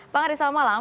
bang ade selamat malam